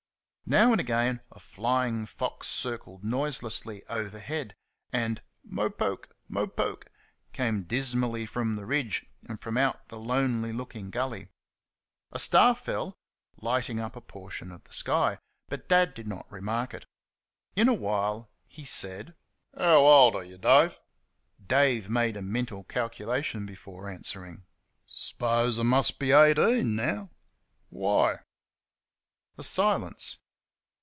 Now and again a flying fox circled noiselessly overhead, and "MOPOKE! MOPOKE!" came dismally from the ridge and from out the lonely looking gully. A star fell, lighting up a portion of the sky, but Dad did not remark it. In a while he said: "How old are you, Dave?" Dave made a mental calculation before answering. "S'pose I must be eighteen now ...Why?" A silence.